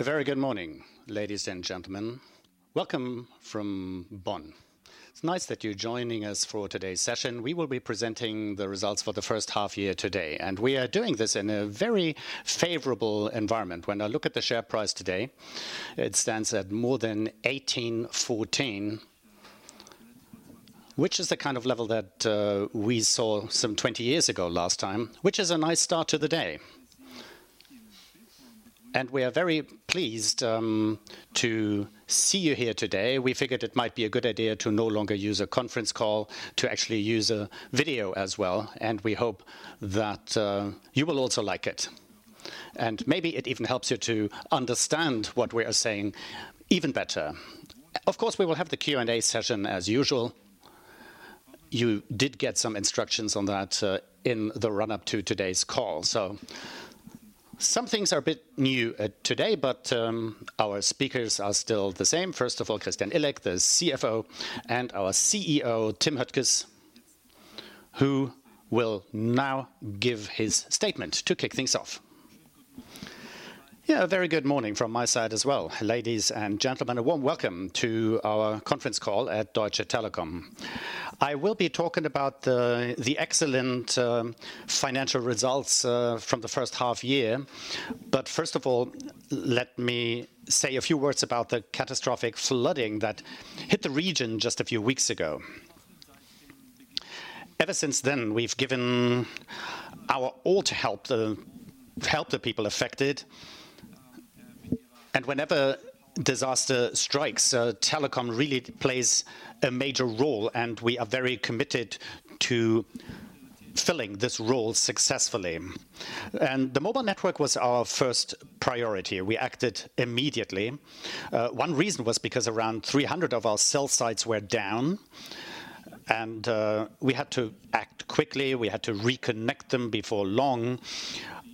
A very good morning, ladies and gentlemen. Welcome from Bonn. It's nice that you're joining us for today's session. We will be presenting the results for the first half year today. We are doing this in a very favorable environment. When I look at the share price today, it stands at more than 18.14, which is the kind of level that we saw some 20 years ago last time, which is a nice start to the day. We are very pleased to see you here today. We figured it might be a good idea to no longer use a conference call, to actually use a video as well. We hope that you will also like it, and maybe it even helps you to understand what we are saying even better. Of course, we will have the Q&A session as usual. You did get some instructions on that in the run-up to today's call. Some things are a bit new today, but our speakers are still the same. First of all, Christian Illek, the CFO, and our CEO, Tim Höttges, who will now give his statement to kick things off. A very good morning from my side as well. Ladies and gentlemen, a warm welcome to our conference call at Deutsche Telekom. I will be talking about the excellent financial results from the first half year. First of all, let me say a few words about the catastrophic flooding that hit the region just a few weeks ago. Ever since then, we've given our all to help the people affected. Whenever disaster strikes, Telekom really plays a major role, and we are very committed to filling this role successfully. The mobile network was our first priority. We acted immediately. One reason was because around 300 of our cell sites were down, and we had to act quickly. We had to reconnect them before long.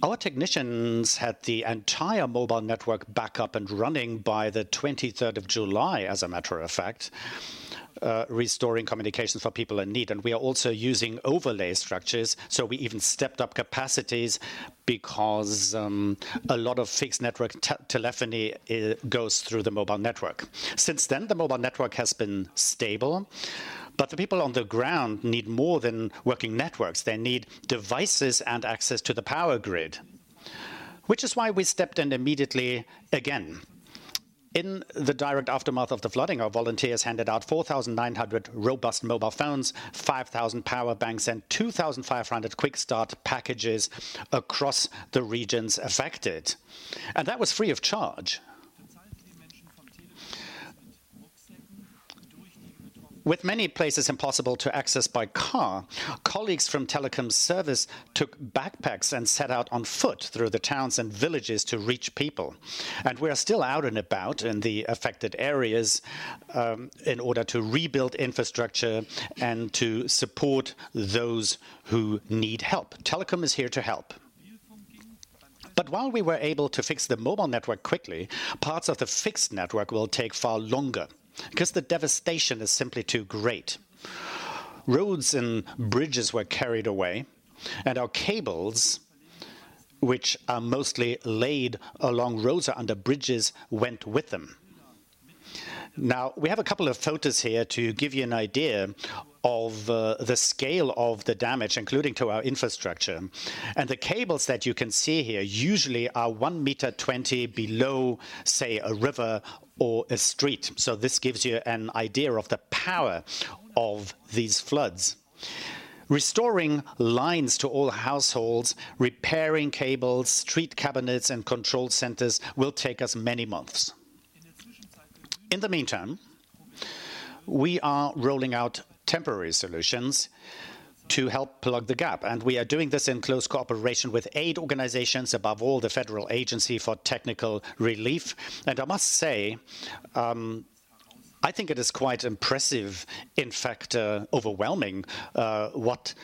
Our technicians had the entire mobile network back up and running by the 23rd of July, as a matter of fact, restoring communication for people in need. We are also using overlay structures, so we even stepped-up capacities because a lot of fixed network telephony goes through the mobile network. Since then, the mobile network has been stable, but the people on the ground need more than working networks. They need devices and access to the power grid. Which is why we stepped in immediately again. In the direct aftermath of the flooding, our volunteers handed out 4,900 robust mobile phones, 5,000 power banks, and 2,500 quick start packages across the regions affected. That was free of charge. With many places impossible to access by car, colleagues from Telekom service took backpacks and set out on foot through the towns and villages to reach people. We are still out and about in the affected areas in order to rebuild infrastructure and to support those who need help. Telekom is here to help. While we were able to fix the mobile network quickly, parts of the fixed network will take far longer because the devastation is simply too great. Roads and bridges were carried away, our cables, which are mostly laid along roads or under bridges, went with them. We have a couple of photos here to give you an idea of the scale of the damage, including to our infrastructure. The cables that you can see here usually are 1.20 meters below, say, a river or a street. This gives you an idea of the power of these floods. Restoring lines to all households, repairing cables, street cabinets, and control centers will take us many months. In the meantime, we are rolling out temporary solutions to help plug the gap, and we are doing this in close cooperation with aid organizations, above all, the Federal Agency for Technical Relief. I must say, I think it is quite impressive, in fact, overwhelming, what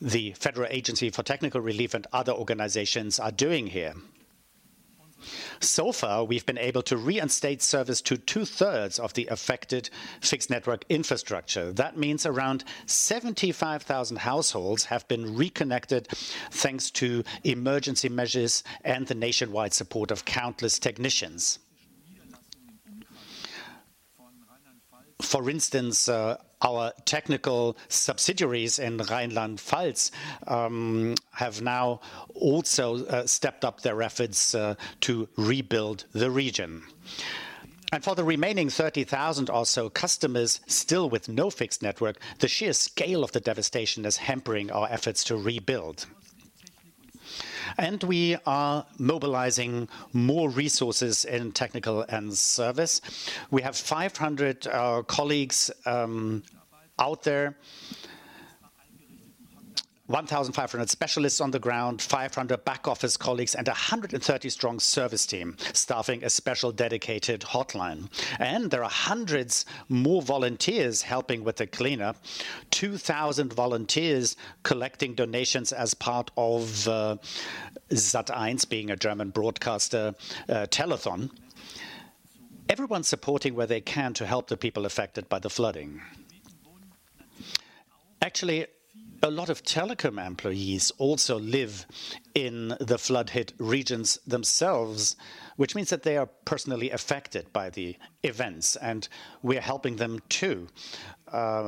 the Federal Agency for Technical Relief and other organizations are doing here. So far, we've been able to reinstate service to two-thirds of the affected fixed network infrastructure. That means around 75,000 households have been reconnected thanks to emergency measures and the nationwide support of countless technicians. For instance, our technical subsidiaries in Rheinland-Pfalz have now also stepped up their efforts to rebuild the region. For the remaining 30,000 or so customers still with no fixed network, the sheer scale of the devastation is hampering our efforts to rebuild. We are mobilizing more resources in technical and service. We have 500 colleagues out there, 1,500 specialists on the ground, 500 back-office colleagues, and 130-strong service team staffing a special dedicated hotline. There are hundreds more volunteers helping with the cleanup, 2,000 volunteers collecting donations as part of Sat.1, being a German broadcaster, telethon. Everyone supporting where they can to help the people affected by the flooding. Actually, a lot of Telekom employees also live in the flood-hit regions themselves, which means that they are personally affected by the events, and we are helping them too,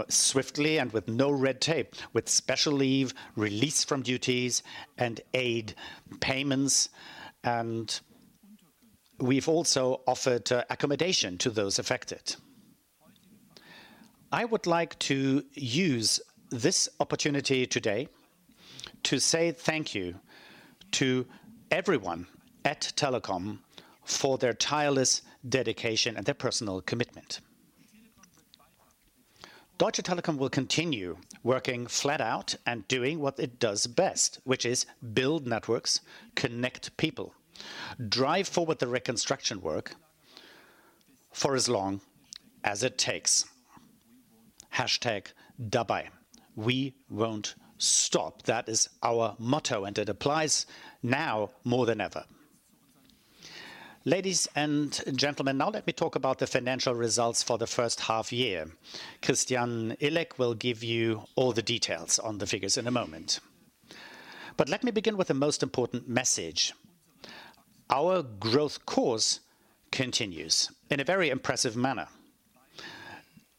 swiftly and with no red tape, with special leave, release from duties and aid payments. We've also offered accommodation to those affected. I would like to use this opportunity today to say thank you to everyone at Telekom for their tireless dedication and their personal commitment. Deutsche Telekom will continue working flat out and doing what it does best, which is build networks, connect people, drive forward the reconstruction work for as long as it takes. #dabei. We won't stop. That is our motto, and it applies now more than ever. Ladies and gentlemen, now let me talk about the financial results for the first half year. Christian Illek will give you all the details on the figures in a moment. Let me begin with the most important message. Our growth course continues in a very impressive manner,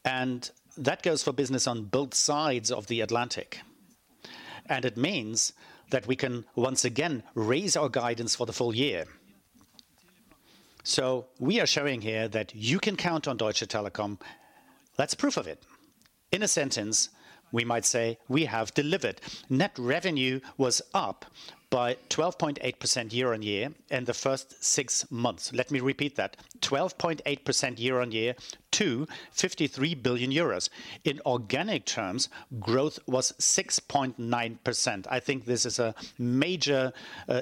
and that goes for business on both sides of the Atlantic. It means that we can once again raise our guidance for the full year. We are showing here that you can count on Deutsche Telekom. That's proof of it. In a sentence, we might say we have delivered. Net revenue was up by 12.8% year-on-year in the first six months. Let me repeat that, 12.8% year-on-year to EUR 53 billion. In organic terms, growth was 6.9%. I think this is a major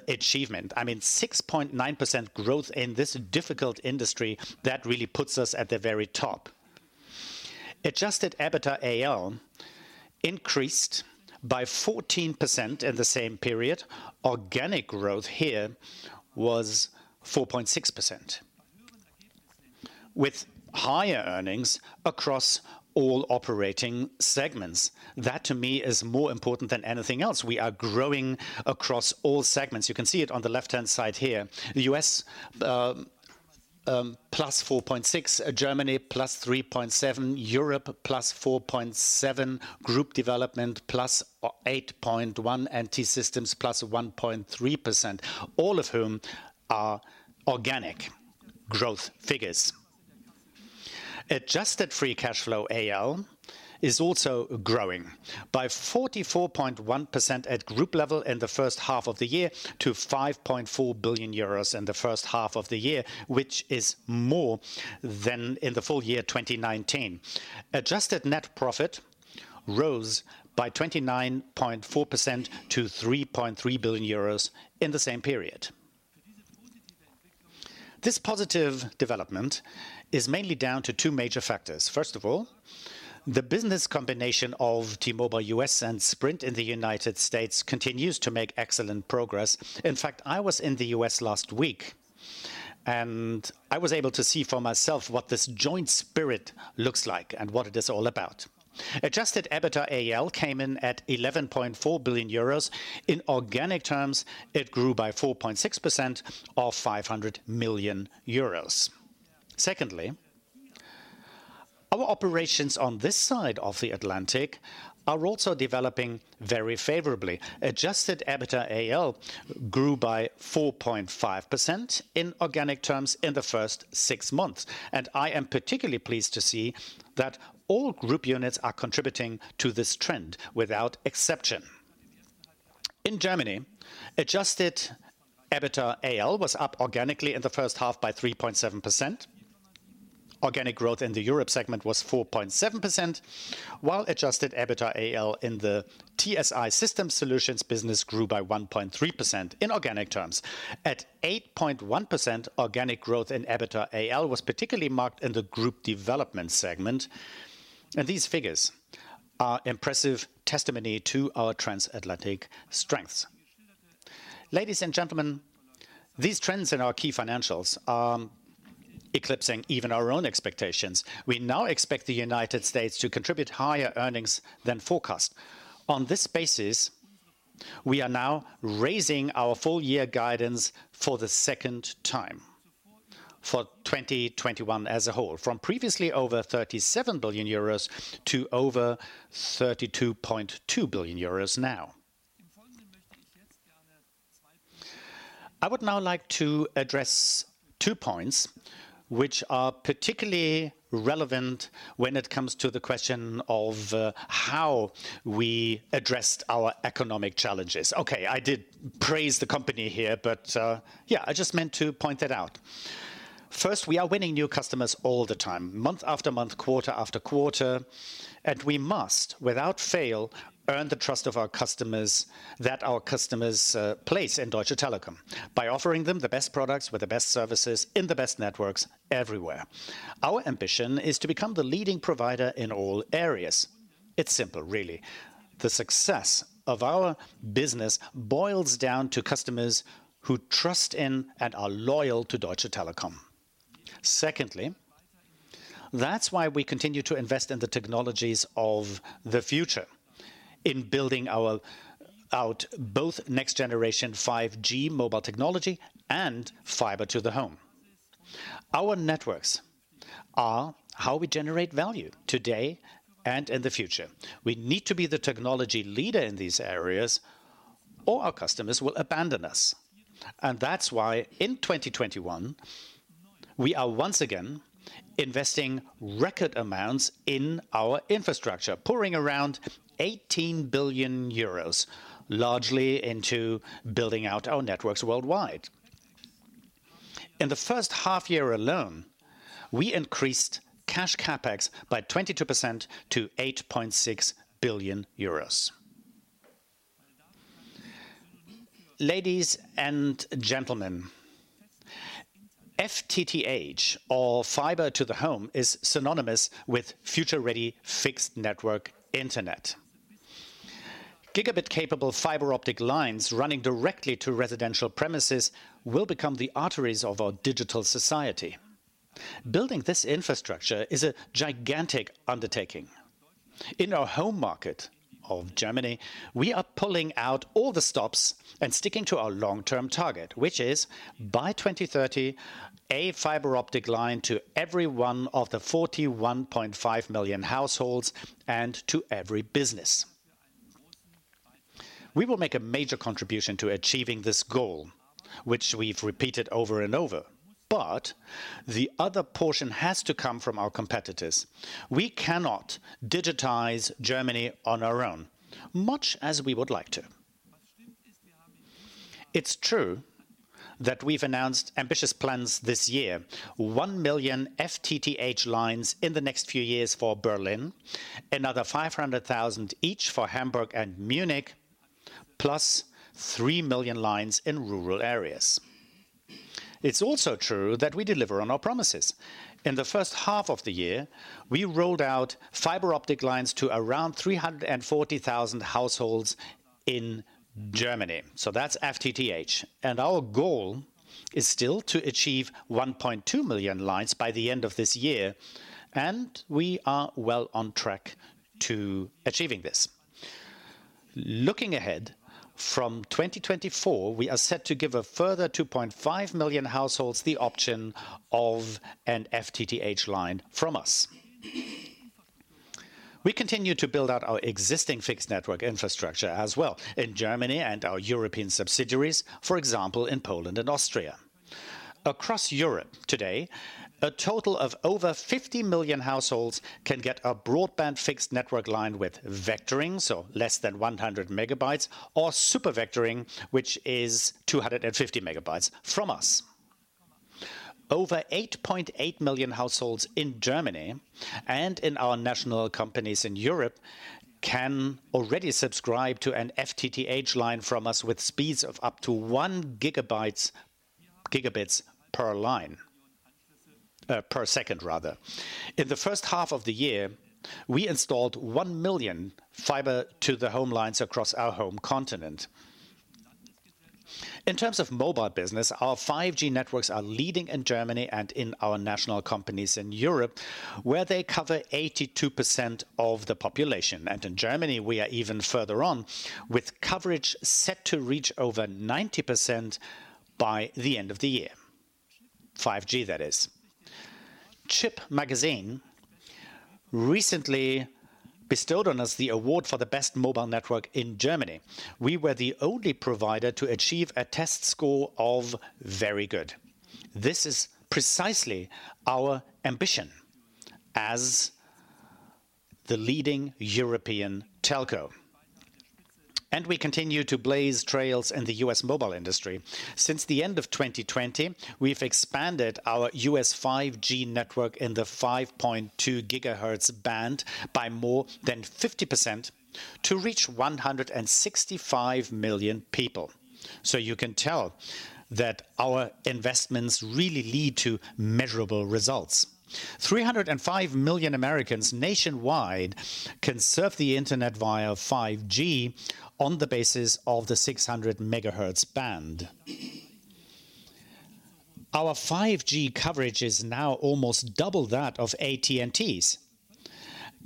achievement. I mean, 6.9% growth in this difficult industry, that really puts us at the very top. Adjusted EBITDA AL increased by 14% in the same period. Organic growth here was 4.6%, with higher earnings across all operating segments. That, to me, is more important than anything else. We are growing across all segments. You can see it on the left-hand side here. The U.S., +4.6%, Germany +3.7%, Europe +4.7%, Group Development +8.1%, T-Systems +1.3%, all of whom are organic growth figures. Adjusted free cash flow AL is also growing by 44.1% at group level in the first half of the year to 5.4 billion euros in the first half of the year, which is more than in the full year 2019. Adjusted net profit rose by 29.4% to 3.3 billion euros in the same period. This positive development is mainly down to two major factors. First of all, the business combination of T-Mobile US and Sprint in the U.S. continues to make excellent progress. In fact, I was in the U.S. last week, and I was able to see for myself what this joint spirit looks like and what it is all about. Adjusted EBITDA AL came in at 11.4 billion euros. In organic terms, it grew by 4.6%, or 500 million euros. Secondly, our operations on this side of the Atlantic are also developing very favorably. Adjusted EBITDA AL grew by 4.5% in organic terms in the first six months. I am particularly pleased to see that all group units are contributing to this trend without exception. In Germany, adjusted EBITDA AL was up organically in the first half by 3.7%. Organic growth in the Europe segment was 4.7%, while adjusted EBITDA AL in the T-Systems business grew by 1.3% in organic terms. At 8.1% organic growth in EBITDA AL was particularly marked in the Group Development segment. These figures are impressive testimony to our transatlantic strengths. Ladies and gentlemen, these trends in our key financials are eclipsing even our own expectations. We now expect the U.S. to contribute higher earnings than forecast. On this basis, we are now raising our full year guidance for the second time for 2021 as a whole, from previously over 37 billion euros to over 32.2 billion euros now. I would now like to address two points which are particularly relevant when it comes to the question of how we addressed our economic challenges. I did praise the company here, but yeah, I just meant to point that out. We are winning new customers all the time, month after month, quarter after quarter, and we must, without fail, earn the trust of our customers that our customers place in Deutsche Telekom by offering them the best products with the best services in the best networks everywhere. Our ambition is to become the leading provider in all areas. It's simple, really. The success of our business boils down to customers who trust in and are loyal to Deutsche Telekom. Secondly, that's why we continue to invest in the technologies of the future, in building out both next generation 5G mobile technology and fiber to the home. Our networks are how we generate value today and in the future. We need to be the technology leader in these areas, or our customers will abandon us. That's why in 2021, we are once again investing record amounts in our infrastructure, pouring around 18 billion euros largely into building out our networks worldwide. In the first half year alone, we increased cash CapEx by 22% to 8.6 billion euros. Ladies and gentlemen, FTTH, or fiber to the home, is synonymous with future-ready fixed network internet. Gigabit-capable fiber optic lines running directly to residential premises will become the arteries of our digital society. Building this infrastructure is a gigantic undertaking. In our home market of Germany, we are pulling out all the stops and sticking to our long-term target, which is by 2030, a fiber optic line to every one of the 41.5 million households and to every business. We will make a major contribution to achieving this goal, which we've repeated over and over, but the other portion has to come from our competitors. We cannot digitize Germany on our own, much as we would like to. It's true that we've announced ambitious plans this year, 1 million FTTH lines in the next few years for Berlin, another 500,000 each for Hamburg and Munich, plus 3 million lines in rural areas. It's also true that we deliver on our promises. In the first half of the year, we rolled out fiber optic lines to around 340,000 households in Germany, so that's FTTH. Our goal is still to achieve 1.2 million lines by the end of this year, and we are well on track to achieving this. Looking ahead from 2024, we are set to give a further 2.5 million households the option of an FTTH line from us. We continue to build out our existing fixed network infrastructure as well in Germany and our European subsidiaries, for example, in Poland and Austria. Across Europe today, a total of over 50 million households can get a broadband fixed network line with vectoring, so less than 100 MB, or Supervectoring, which is 250 MB from us. Over 8.8 million households in Germany and in our national companies in Europe can already subscribe to an FTTH line from us with speeds of up to 1 gigabit per second. In the first half of the year, we installed 1 million fiber to the home lines across our home continent. In terms of mobile business, our 5G networks are leading in Germany and in our national companies in Europe, where they cover 82% of the population. In Germany, we are even further on, with coverage set to reach over 90% by the end of the year. 5G, that is. CHIP Magazine recently bestowed on us the award for the best mobile network in Germany. We were the only provider to achieve a test score of very good. This is precisely our ambition as the leading European telco. We continue to blaze trails in the U.S. mobile industry. Since the end of 2020, we've expanded our U.S. 5G network in the 5.2 GHz band by more than 50% to reach 165 million people. You can tell that our investments really lead to measurable results. 305 million Americans nationwide can surf the internet via 5G on the basis of the 600 MHz band. Our 5G coverage is now almost double that of AT&T's,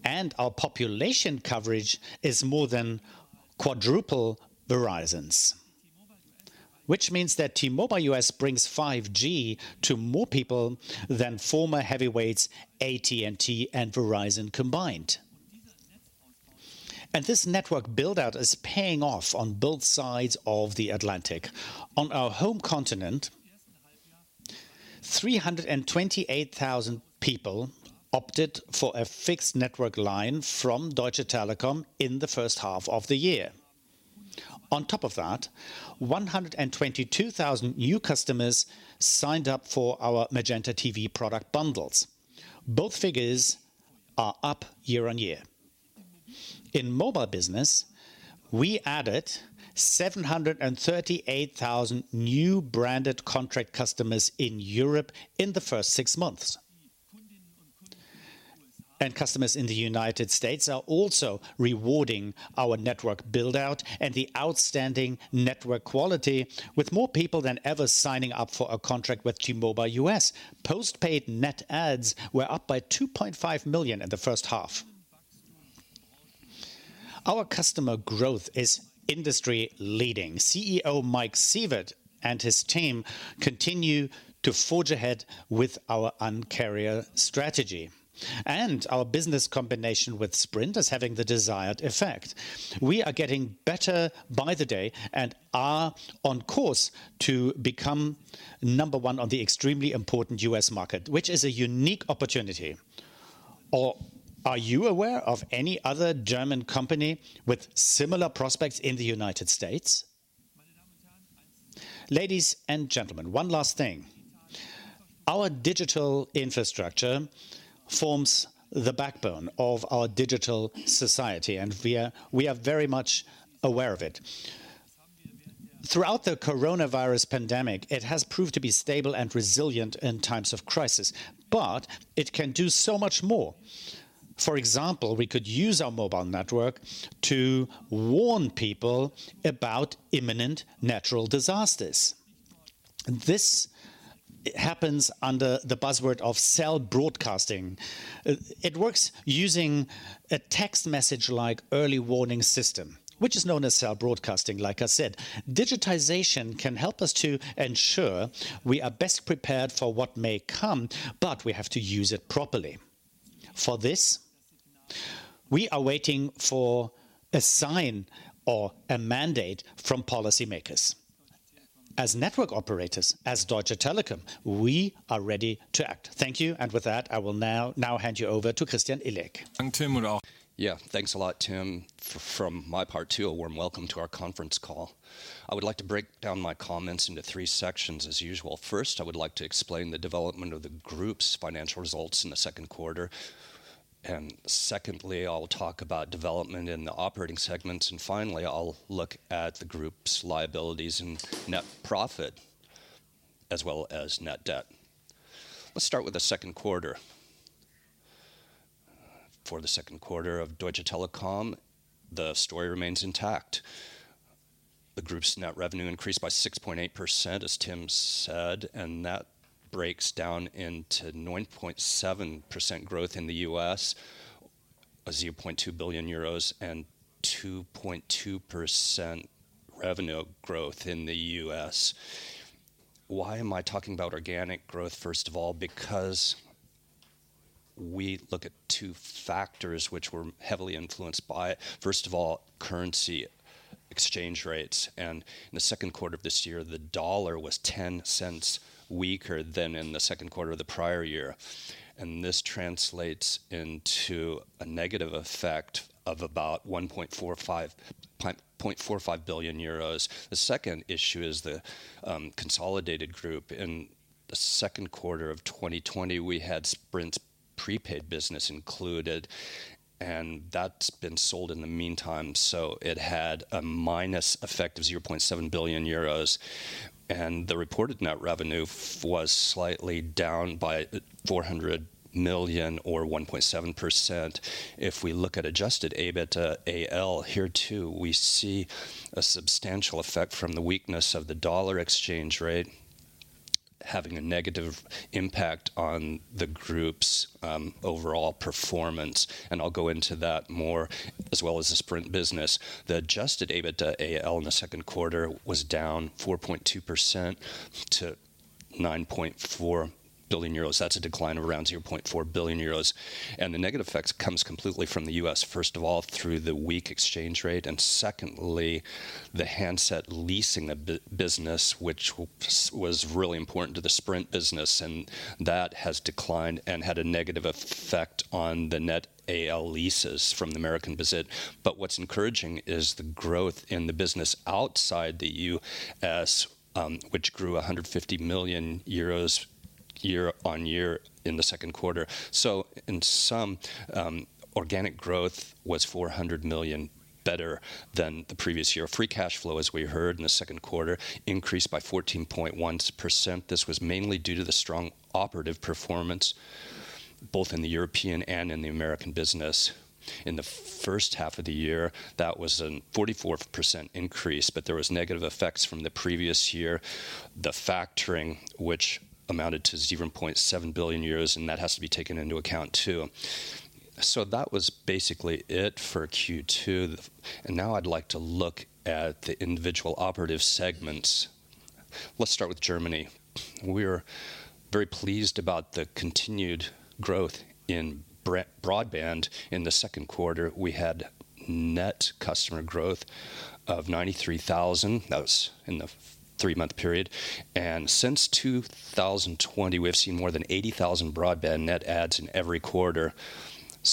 and our population coverage is more than quadruple Verizon's, which means that T-Mobile US brings 5G to more people than former heavyweights AT&T and Verizon combined. This network build-out is paying off on both sides of the Atlantic. On our home continent, 328,000 people opted for a fixed network line from Deutsche Telekom in the first half of the year. On top of that, 122,000 new customers signed up for our MagentaTV product bundles. Both figures are up year-on-year. In mobile business, we added 738,000 new branded contract customers in Europe in the first six months. Customers in the U.S. are also rewarding our network build-out and the outstanding network quality with more people than ever signing up for a contract with T-Mobile US. Postpaid net adds were up by 2.5 million in the first half. Our customer growth is industry leading. CEO Mike Sievert and his team continue to forge ahead with our Un-carrier strategy, and our business combination with Sprint is having the desired effect. We are getting better by the day and are on course to become number one on the extremely important U.S. market, which is a unique opportunity. Are you aware of any other German company with similar prospects in the U.S.? Ladies and gentlemen, one last thing. Our digital infrastructure forms the backbone of our digital society, and we are very much aware of it. Throughout the coronavirus pandemic, it has proved to be stable and resilient in times of crisis, but it can do so much more. For example, we could use our mobile network to warn people about imminent natural disasters. This happens under the buzzword of Cell Broadcast. It works using a text message-like early warning system, which is known as Cell Broadcast, like I said. Digitization can help us to ensure we are best prepared for what may come, but we have to use it properly. For this, we are waiting for a sign or a mandate from policymakers. As network operators, as Deutsche Telekom, we are ready to act. Thank you. With that, I will now hand you over to Christian Illek. Yeah. Thanks a lot, Tim. From my part, too, a warm welcome to our conference call. I would like to break down my comments into three sections as usual. First, I would like to explain the development of the group's financial results in the second quarter. Secondly, I'll talk about development in the operating segments. Finally, I'll look at the group's liabilities and net profit as well as net debt. Let's start with the second quarter. For the second quarter of Deutsche Telekom, the story remains intact. The group's net revenue increased by 6.8%, as Tim said, and that breaks down into 9.7% growth in the U.S., a 0.2 billion euros, and 2.2% revenue growth in the U.S. Why am I talking about organic growth, first of all? We look at two factors which were heavily influenced by, first of all, currency exchange rates. In the second quarter of this year, the dollar was $0.10 weaker than in the second quarter of the prior year. This translates into a negative effect of about 1.45 billion euros. The second issue is the consolidated group. In the second quarter of 2020, we had Sprint's prepaid business included, and that's been sold in the meantime, so it had a minus effect of 0.7 billion euros. The reported net revenue was slightly down by 400 million or 1.7%. If we look at adjusted EBITDA AL, here, too, we see a substantial effect from the weakness of the dollar exchange rate having a negative impact on the group's overall performance. I'll go into that more, as well as the Sprint business. The adjusted EBITDA AL in the second quarter was down 4.2% to 9.4 billion euros. That's a decline of around 0.4 billion euros. The negative effects comes completely from the U.S., first of all, through the weak exchange rate, and secondly, the handset leasing business, which was really important to the Sprint business. That has declined and had a negative effect on the net AL leases from the American business. What's encouraging is the growth in the business outside the U.S., which grew 150 million euros year-over-year in the second quarter. In sum, organic growth was 400 million, better than the previous year. Free cash flow, as we heard in the second quarter, increased by 14.1%. This was mainly due to the strong operative performance, both in the European and in the American business. In the first half of the year, that was a 44% increase, there was negative effects from the previous year, the factoring, which amounted to 0.7 billion euros, and that has to be taken into account, too. That was basically it for Q2. Now I'd like to look at the individual operative segments. Let's start with Germany. We're very pleased about the continued growth in broadband. In the second quarter, we had net customer growth of 93,000. That was in the three-month period. Since 2020, we have seen more than 80,000 broadband net adds in every quarter.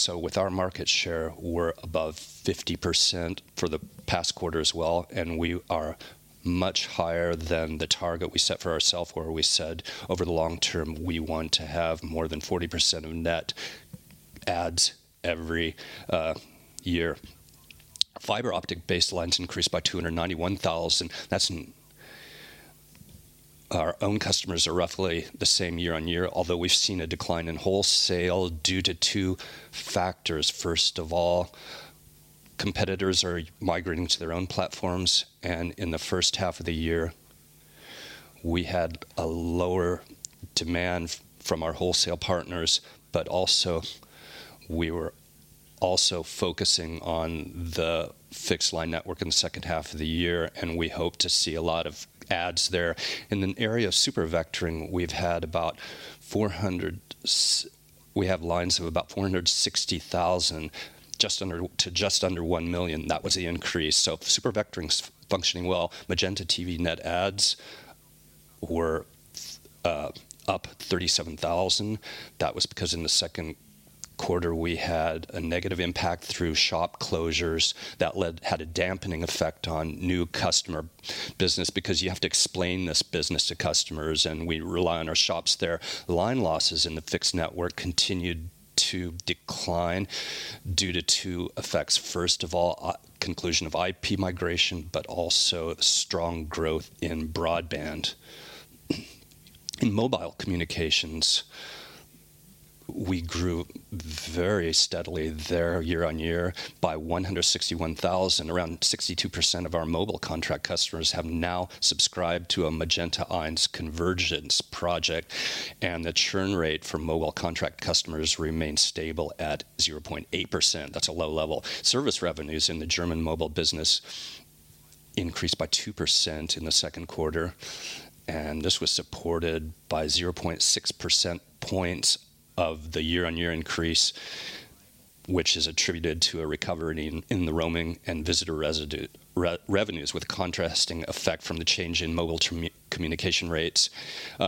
With our market share, we're above 50% for the past quarter as well, and we are much higher than the target we set for ourself where we said over the long term, we want to have more than 40% of net adds every year. Fiber optic base lines increased by 291,000. Our own customers are roughly the same year-on-year, although we've seen a decline in wholesale due to two factors. First of all, competitors are migrating to their own platforms, and in the first half of the year, we had a lower demand from our wholesale partners, but also, we were focusing on the fixed line network in the second half of the year, and we hope to see a lot of adds there. In the area of Supervectoring, we have lines of about 460,000 to just under 1 million. That was the increase. Supervectoring's functioning well. Magenta TV net adds were up 37,000. That was because in the second quarter, we had a negative impact through shop closures that had a dampening effect on new customer business because you have to explain this business to customers, and we rely on our shops there. Line losses in the fixed network continued to decline due to two effects. First of all, conclusion of IP migration, but also strong growth in broadband. In mobile communications, we grew very steadily there year-on-year by 161,000. Around 62% of our mobile contract customers have now subscribed to a MagentaEINS convergence project, and the churn rate for mobile contract customers remains stable at 0.8%. That's a low level. Service revenues in the German mobile business increased by 2% in the second quarter, and this was supported by 0.6 percentage points of the year-on-year increase, which is attributed to a recovery in the roaming and visitor revenues with a contrasting effect from the change in mobile communication rates.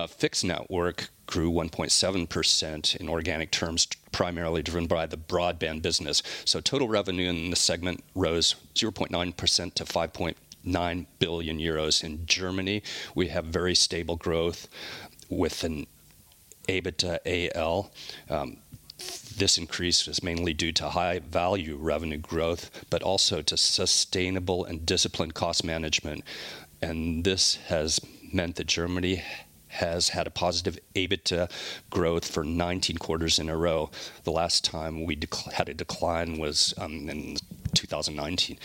Fixed network grew 1.7% in organic terms, primarily driven by the broadband business. Total revenue in the segment rose 0.9% to 5.9 billion euros. In Germany, we have very stable growth with an EBITDA AL. This increase was mainly due to high-value revenue growth, also to sustainable and disciplined cost management. This has meant that Germany has had a positive EBITDA growth for 19 quarters in a row. The last time we had a decline was in 2019.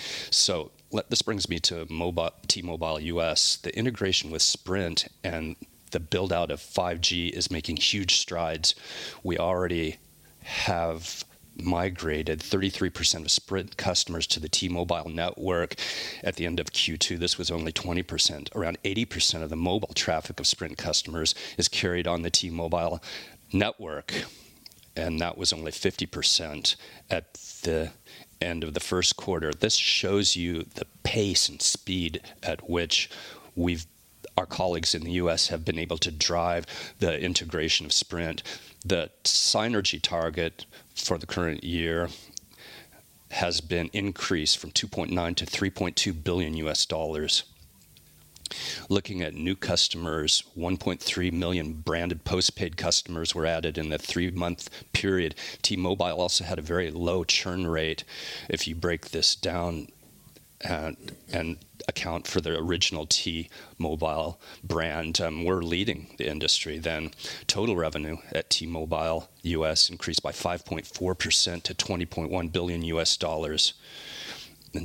This brings me to T-Mobile US. The integration with Sprint and the build-out of 5G is making huge strides. We already have migrated 33% of Sprint customers to the T-Mobile network. At the end of Q2, this was only 20%. Around 80% of the mobile traffic of Sprint customers is carried on the T-Mobile network, and that was only 50% at the end of the first quarter. This shows you the pace and speed at which our colleagues in the U.S. have been able to drive the integration of Sprint. The synergy target for the current year has been increased from $2.9 billion-$3.2 billion. Looking at new customers, 1.3 million branded postpaid customers were added in the three-month period. T-Mobile also had a very low churn rate. If you break this down and account for the original T-Mobile brand, we're leading the industry. Total revenue at T-Mobile US increased by 5.4% to $20.1 billion.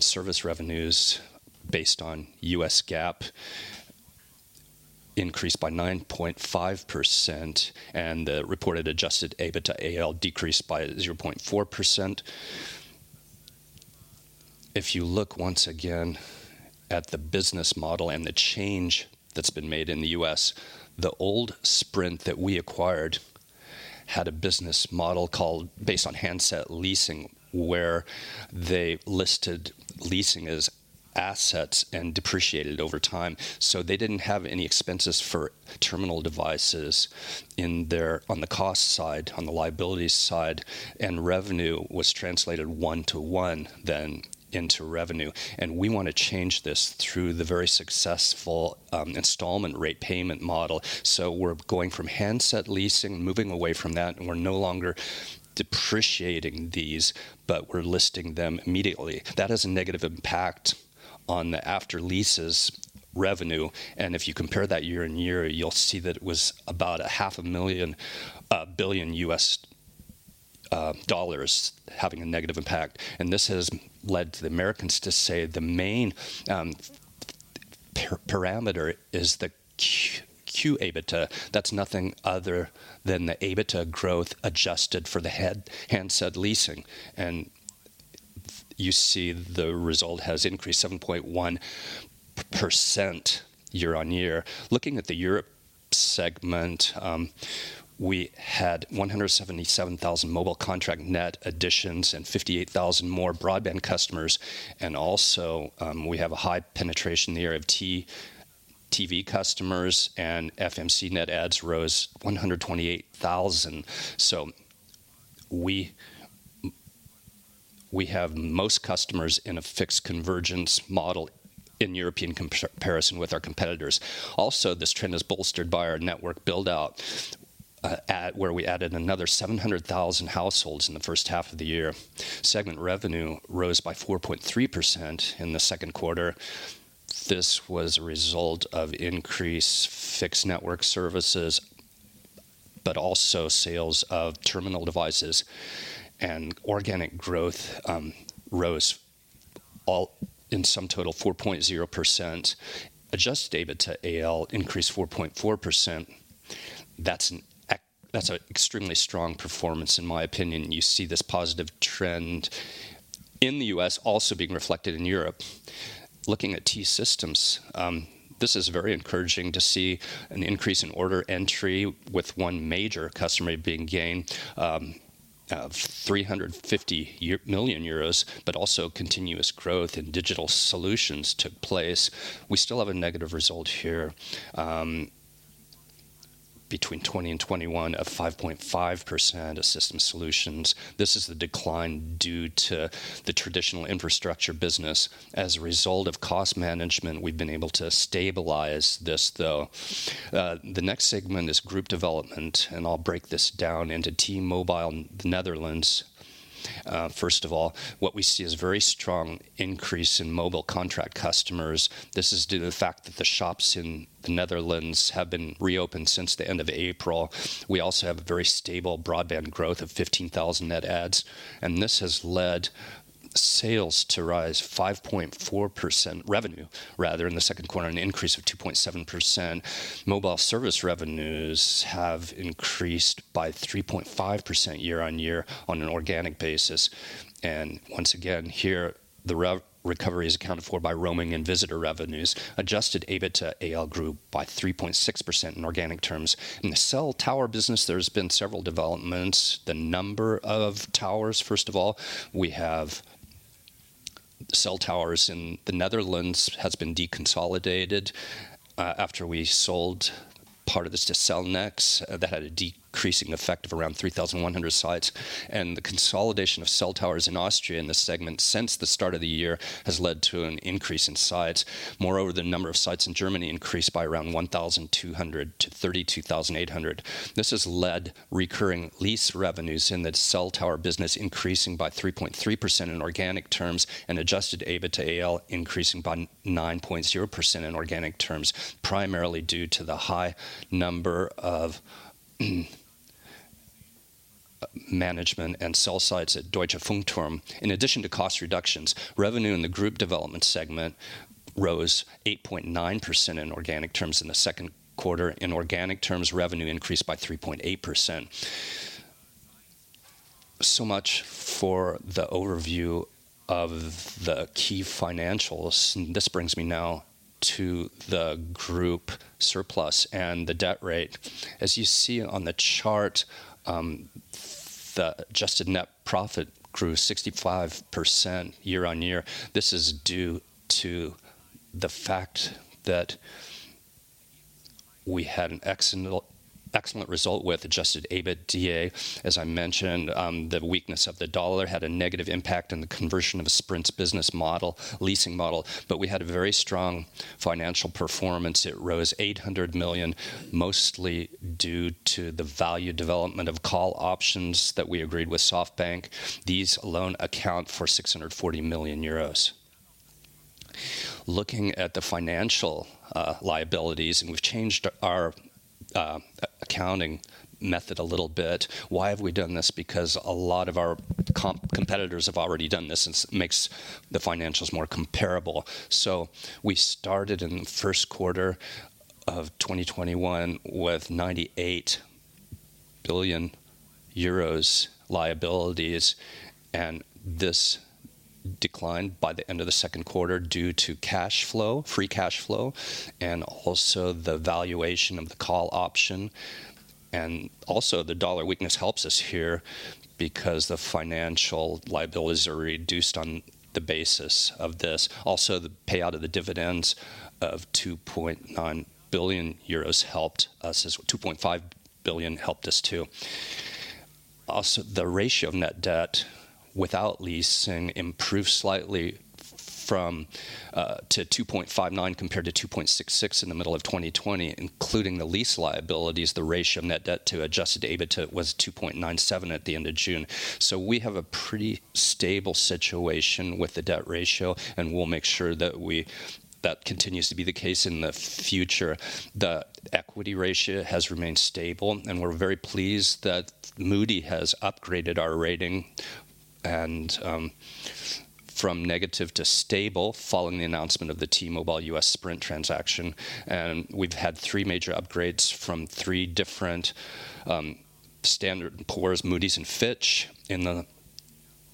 Service revenues based on U.S. GAAP increased by 9.5%, and the reported adjusted EBITDA AL decreased by 0.4%. If you look once again at the business model and the change that's been made in the U.S., the old Sprint that we acquired had a business model based on handset leasing, where they listed leasing as assets and depreciated over time. They didn't have any expenses for terminal devices on the cost side, on the liability side, and revenue was translated one to one then into revenue. We want to change this through the very successful installment rate payment model. We're going from handset leasing, moving away from that, and we're no longer depreciating these, but we're listing them immediately. That has a negative impact on the after-leases revenue. If you compare that year-on-year, you'll see that it was about a half a billion US dollars having a negative impact. This has led to the Americans to say the main parameter is the Core EBITDA. That's nothing other than the EBITDA growth adjusted for the handset leasing. You see the result has increased 7.1% year-on-year. Looking at the Europe segment, we had 177,000 mobile contract net additions and 58,000 more broadband customers. Also, we have a high penetration there of TV customers and FMC net adds rose 128,000. We have most customers in a fixed convergence model in European comparison with our competitors. Also, this trend is bolstered by our network build-out, where we added another 700,000 households in the first half of the year. Segment revenue rose by 4.3% in the second quarter. This was a result of increased fixed network services, but also sales of terminal devices, and organic growth rose all in sum total, 4.0%. Adjusted EBITDA AL increased 4.4%. That's an extremely strong performance in my opinion. You see this positive trend in the U.S. also being reflected in Europe. Looking at T-Systems, this is very encouraging to see an increase in order entry with one major customer being gained of 350 million euros, but also continuous growth in digital solutions took place. We still have a negative result here. Between 2020 and 2021 of 5.5% of system solutions. This is the decline due to the traditional infrastructure business. As a result of cost management, we've been able to stabilize this though. The next segment is Group Development, and I'll break this down into T-Mobile Netherlands. First of all, what we see is very strong increase in mobile contract customers. This is due to the fact that the shops in the Netherlands have been reopened since the end of April. We also have a very stable broadband growth of 15,000 net adds, and this has led sales to rise 5.4%. Revenue rather, in the second quarter, an increase of 2.7%. Mobile service revenues have increased by 3.5% year-on-year on an organic basis. Once again, here, the recovery is accounted for by roaming and visitor revenues. Adjusted EBITDA AL grew by 3.6% in organic terms. In the cell tower business, there has been several developments. The number of towers, first of all, we have cell towers in the Netherlands has been deconsolidated, after we sold part of this to Cellnex. That had a decreasing effect of around 3,100 sites. The consolidation of cell towers in Austria in this segment since the start of the year has led to an increase in sites. Moreover, the number of sites in Germany increased by around 1,200 to 32,800. This has led recurring lease revenues in the cell tower business increasing by 3.3% in organic terms, and adjusted EBITDA AL increasing by 9.0% in organic terms, primarily due to the high number of management and cell sites at Deutsche Funkturm. In addition to cost reductions, revenue in the group development segment rose 8.9% in organic terms in the second quarter. In organic terms, revenue increased by 3.8%. Much for the overview of the key financials. This brings me now to the group surplus and the debt rate. As you see on the chart, the adjusted net profit grew 65% year-on-year. This is due to the fact that we had an excellent result with adjusted EBITDA. As I mentioned, the weakness of the dollar had a negative impact on the conversion of Sprint's business leasing model. We had a very strong financial performance. It rose 800 million, mostly due to the value development of call options that we agreed with SoftBank. These alone account for 640 million euros. Looking at the financial liabilities, we've changed our accounting method a little bit. Why have we done this? A lot of our competitors have already done this, and it makes the financials more comparable. We started in the first quarter of 2021 with 98 billion euros liabilities, and this declined by the end of the second quarter due to cash flow, free cash flow, and also the valuation of the call option. Also, the dollar weakness helps us here because the financial liabilities are reduced on the basis of this. Also, the payout of the dividends of 2.9 billion euros helped us, 2.5 billion helped us too. Also, the ratio of net debt without leasing improved slightly to 2.59 compared to 2.66 in the middle of 2020. Including the lease liabilities, the ratio of net debt to adjusted EBITDA AL was 2.97 at the end of June. We have a pretty stable situation with the debt ratio, and we'll make sure that continues to be the case in the future. The equity ratio has remained stable, and we're very pleased that Moody's has upgraded our rating from negative to stable following the announcement of the T-Mobile US Sprint transaction. We've had three major upgrades from three different Standard & Poor's, Moody's, and Fitch.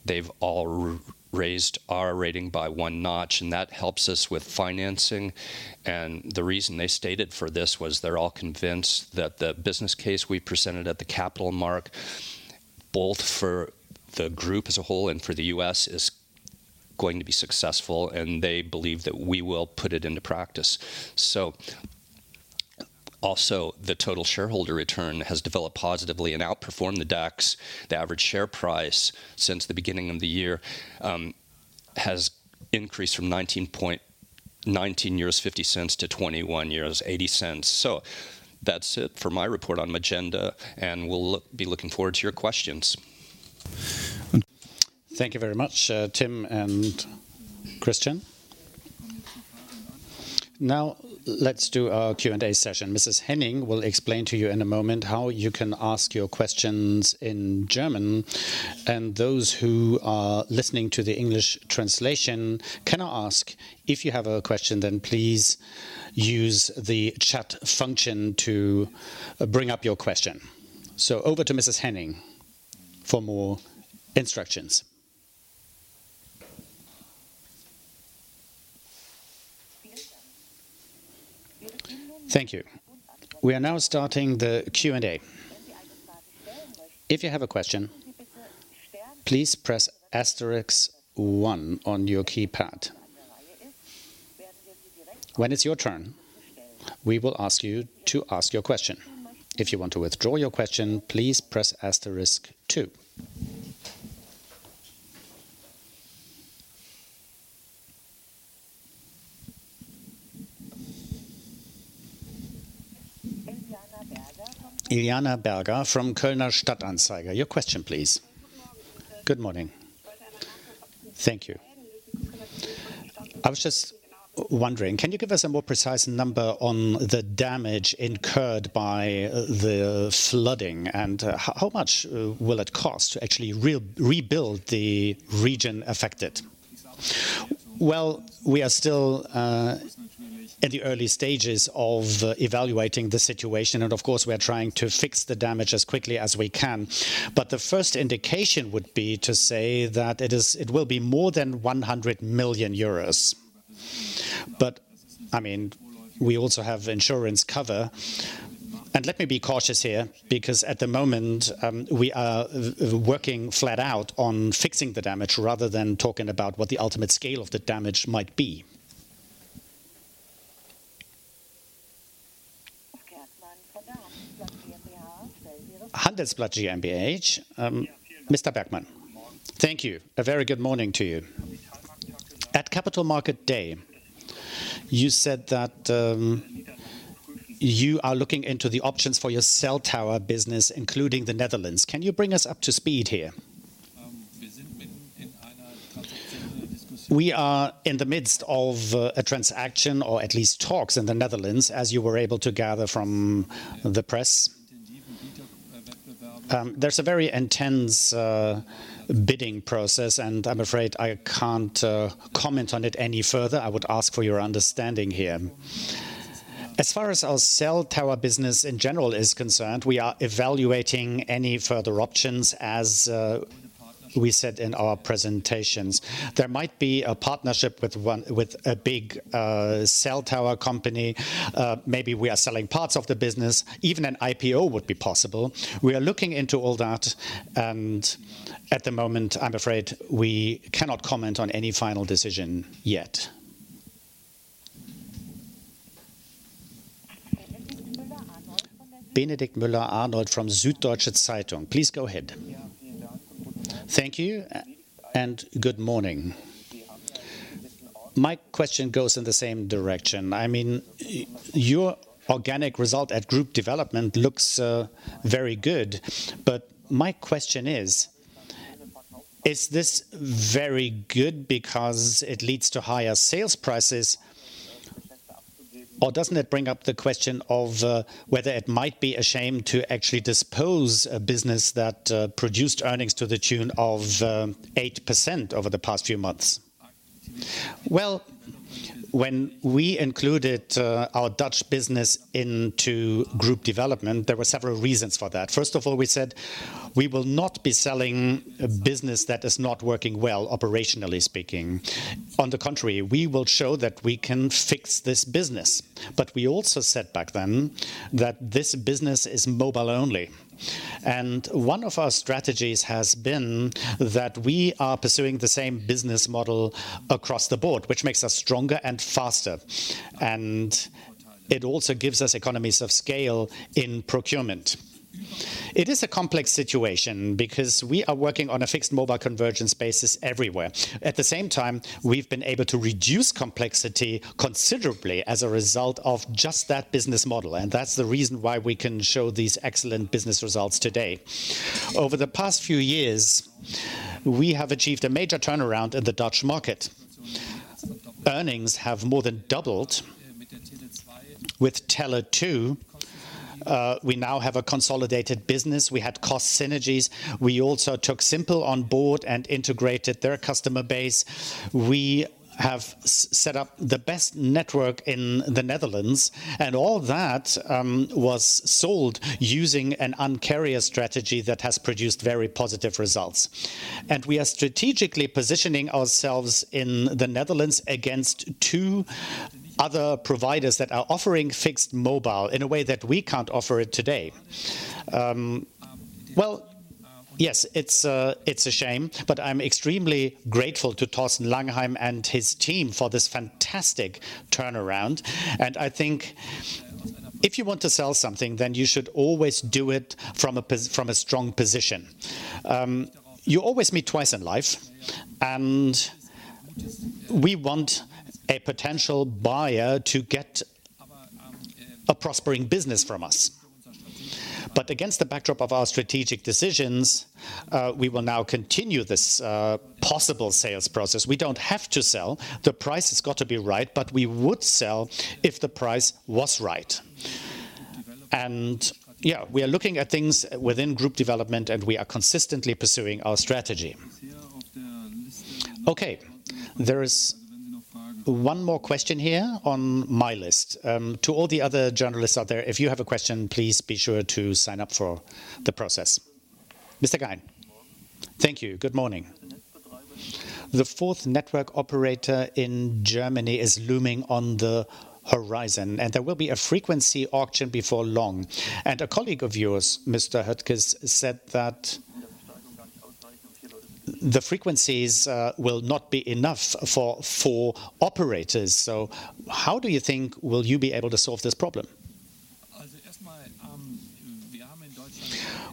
They've all raised our rating by one notch, that helps us with financing. The reason they stated for this was they're all convinced that the business case we presented at the capital market, both for the group as a whole and for the U.S., is going to be successful, and they believe that we will put it into practice. Also, the total shareholder return has developed positively and outperformed the DAX. The average share price since the beginning of the year has increased from 19 point- 19.50 to 21.80. That's it for my report on agenda, and we'll be looking forward to your questions. Thank you very much, Tim and Christian. Let's do our Q&A session. Mrs. Henning will explain to you in a moment how you can ask your questions in German, those who are listening to the English translation can now ask. If you have a question, please use the chat function to bring up your question. Over to Mrs. Henning for more instructions. Thank you. We are now starting the Q&A. If you have a question, please press asterisk one on your keypad. When it's your turn, we will ask you to ask your question. If you want to withdraw your question, please press asterisk two. Eliana Berger from Kölner Stadt-Anzeiger. Your question, please. Good morning. Thank you. I was just wondering, can you give us a more precise number on the damage incurred by the flooding, and how much will it cost to actually rebuild the region affected? We are still at the early stages of evaluating the situation, and of course, we are trying to fix the damage as quickly as we can. The first indication would be to say that it will be more than 100 million euros. We also have insurance cover. Let me be cautious here because, at the moment, we are working flat out on fixing the damage rather than talking about what the ultimate scale of the damage might be. Handelsblatt GmbH, Mr. Berkman. Thank you. A very good morning to you. At Capital Market Day, you said that you are looking into the options for your cell tower business, including the Netherlands. Can you bring us up to speed here? We are in the midst of a transaction, or at least talks in the Netherlands, as you were able to gather from the press. There's a very intense bidding process, and I'm afraid I can't comment on it any further. I would ask for your understanding here. As far as our cell tower business in general is concerned, we are evaluating any further options, as we said in our presentations. There might be a partnership with a big cell tower company. Maybe we are selling parts of the business. Even an IPO would be possible. We are looking into all that, and at the moment, I'm afraid we cannot comment on any final decision yet. Benedikt Müller-Arnold from Süddeutsche Zeitung, please go ahead. Thank you and good morning. My question goes in the same direction. Your organic result at group development looks very good, my question is: Is this very good because it leads to higher sales prices, or doesn't it bring up the question of whether it might be a shame to actually dispose a business that produced earnings to the tune of 8% over the past few months? Well, when we included our Dutch business into group development, there were several reasons for that. First of all, we said we will not be selling a business that is not working well, operationally speaking. On the contrary, we will show that we can fix this business. We also said back then that this business is mobile only. One of our strategies has been that we are pursuing the same business model across the board, which makes us stronger and faster. It also gives us economies of scale in procurement. It is a complex situation because we are working on a fixed-mobile convergence basis everywhere. At the same time, we've been able to reduce complexity considerably as a result of just that business model, that's the reason why we can show these excellent business results today. Over the past few years, we have achieved a major turnaround in the Dutch market. Earnings have more than doubled with Tele2. We now have a consolidated business. We had cost synergies. We also took Simpel on board and integrated their customer base. We have set up the best network in the Netherlands, all that was sold using an Un-carrier strategy that has produced very positive results. We are strategically positioning ourselves in the Netherlands against two other providers that are offering fixed-mobile in a way that we can't offer it today. Well, yes, it's a shame, I'm extremely grateful to Thorsten Langheim and his team for this fantastic turnaround, and I think if you want to sell something, then you should always do it from a strong position. You always meet twice in life we want a potential buyer to get a prospering business from us. Against the backdrop of our strategic decisions, we will now continue this possible sales process. We don't have to sell. The price has got to be right, but we would sell if the price was right. Yeah, we are looking at things within Group Development, and we are consistently pursuing our strategy. Okay. There is one more question here on my list. To all the other journalists out there, if you have a question, please be sure to sign up for the process. Mr. Gein. Thank you. Good morning. The fourth network operator in Germany is looming on the horizon, and there will be a frequency auction before long. A colleague of yours, Mr. Höttges, said that the frequencies will not be enough for four operators. How do you think will you be able to solve this problem?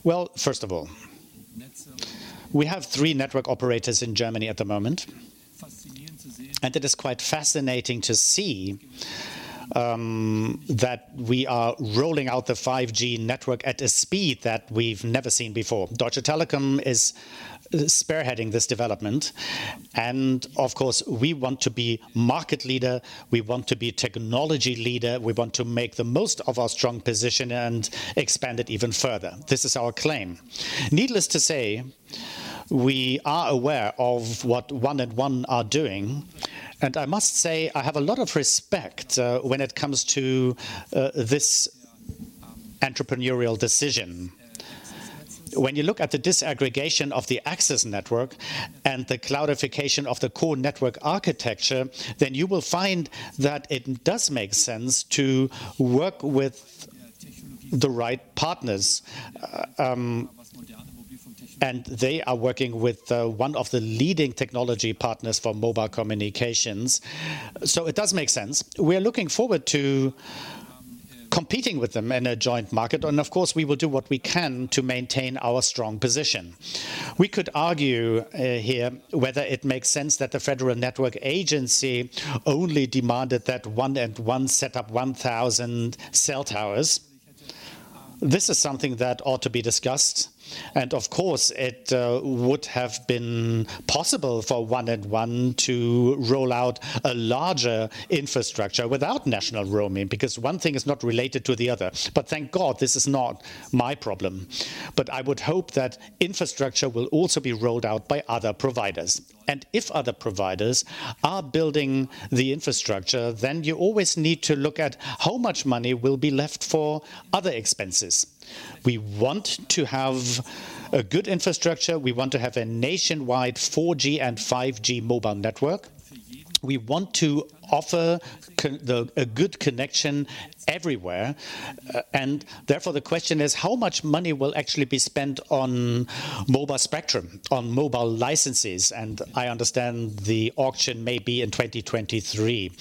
Well, first of all, we have three network operators in Germany at the moment, and it is quite fascinating to see that we are rolling out the 5G network at a speed that we've never seen before. Deutsche Telekom is spearheading this development. Of course, we want to be market leader. We want to be technology leader. We want to make the most of our strong position and expand it even further. This is our claim. Needless to say, we are aware of what 1&1 are doing. I must say I have a lot of respect when it comes to this entrepreneurial decision. When you look at the disaggregation of the access network and the cloudification of the core network architecture, you will find that it does make sense to work with the right partners. They are working with one of the leading technology partners for mobile communications. It does make sense. We are looking forward to competing with them in a joint market. Of course, we will do what we can to maintain our strong position. We could argue here whether it makes sense that the Federal Network Agency only demanded that 1&1 set up 1,000 cell towers. This is something that ought to be discussed. Of course, it would have been possible for 1&1 to roll out a larger infrastructure without national roaming because one thing is not related to the other. Thank God, this is not my problem. I would hope that infrastructure will also be rolled out by other providers. If other providers are building the infrastructure, then you always need to look at how much money will be left for other expenses. We want to have a good infrastructure. We want to have a nationwide 4G and 5G mobile network. We want to offer a good connection everywhere. Therefore, the question is how much money will actually be spent on mobile spectrum, on mobile licenses? I understand the auction may be in 2023.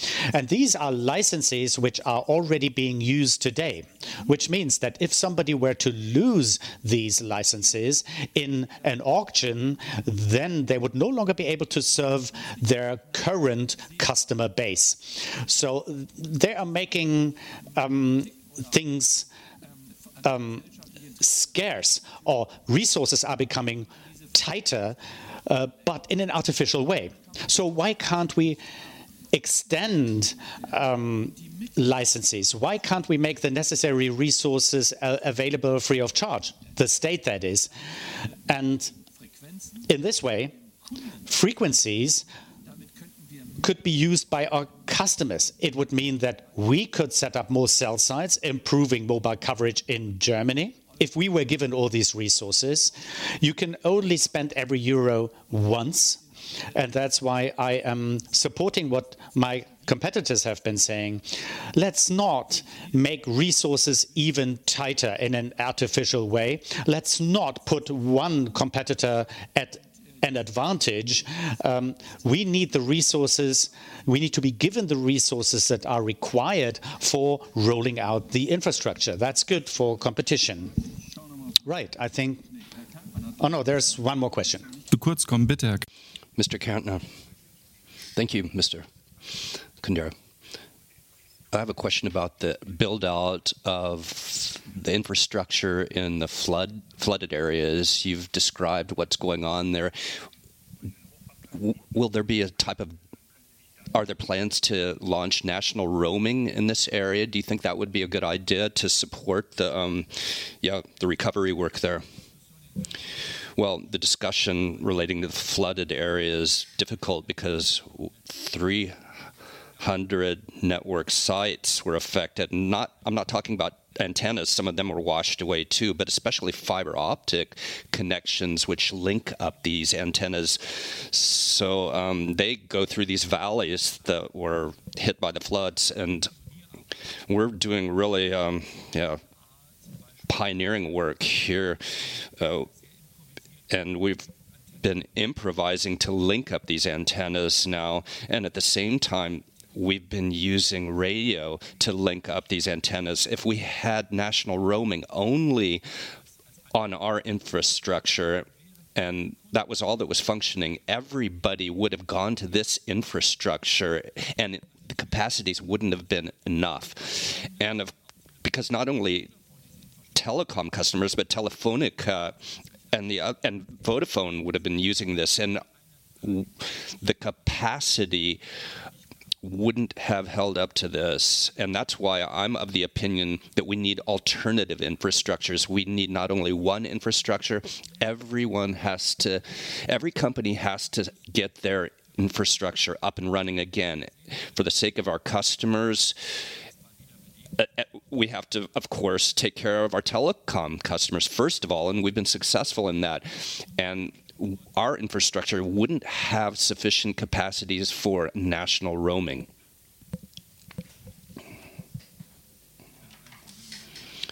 These are licenses which are already being used today, which means that if somebody were to lose these licenses in an auction, then they would no longer be able to serve their current customer base. They are making things scarce or resources are becoming tighter, but in an artificial way. Why can't we extend licenses? Why can't we make the necessary resources available free of charge? The state, that is. In this way, frequencies could be used by our customers. It would mean that we could set up more cell sites, improving mobile coverage in Germany if we were given all these resources. You can only spend every EUR once, and that's why I am supporting what my competitors have been saying. Let's not make resources even tighter in an artificial way. Let's not put one competitor at an advantage. We need the resources. We need to be given the resources that are required for rolling out the infrastructure. That's good for competition. Right. Oh, no, there's one more question. The kurzkon Bittak. Mr. Cantner. Thank you, Mr. Kundera. I have a question about the build-out of the infrastructure in the flooded areas. You've described what's going on there. Are there plans to launch national roaming in this area? Do you think that would be a good idea to support the recovery work there? The discussion relating to the flooded area is difficult because 300 network sites were affected. I'm not talking about antennas. Some of them were washed away, too, but especially fiber optic connections which link up these antennas. They go through these valleys that were hit by the floods, and we're doing really pioneering work here. We've been improvising to link up these antennas now, and at the same time, we've been using radio to link up these antennas. If we had national roaming only on our infrastructure, and that was all that was functioning, everybody would have gone to this infrastructure, and the capacities wouldn't have been enough. Because not only Telekom customers, but Telefonica and Vodafone would've been using this, and the capacity wouldn't have held up to this. That's why I'm of the opinion that we need alternative infrastructures. We need not only one infrastructure. Every company has to get their infrastructure up and running again for the sake of our customers. We have to, of course, take care of our Telekom customers first of all, and we've been successful in that. Our infrastructure wouldn't have sufficient capacities for national roaming.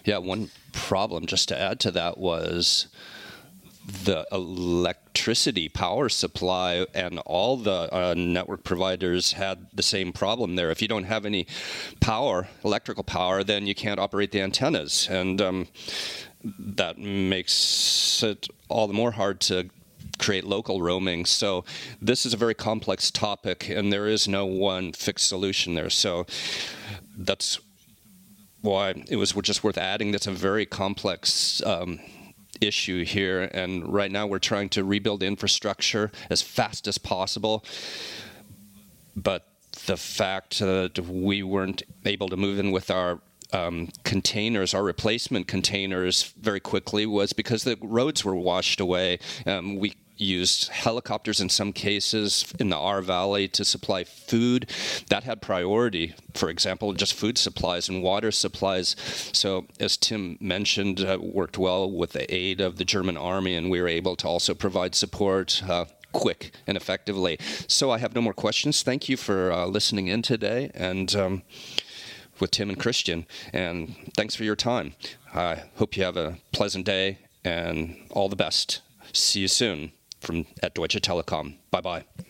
Yeah, one problem, just to add to that, was the electricity power supply and all the network providers had the same problem there. If you don't have any electrical power, then you can't operate the antennas. That makes it all the more hard to create local roaming. This is a very complex topic and there is no one fixed solution there. That's why it was just worth adding. That's a very complex issue here. Right now, we're trying to rebuild infrastructure as fast as possible. The fact that we weren't able to move in with our replacement containers very quickly was because the roads were washed away. We used helicopters in some cases in the Ahr Valley to supply food. That had priority, for example, just food supplies and water supplies. As Tim mentioned, worked well with the aid of the German army and we were able to also provide support quick and effectively. I have no more questions. Thank you for listening in today and with Tim and Christian, and thanks for your time. I hope you have a pleasant day and all the best. See you soon from at Deutsche Telekom. Bye-bye.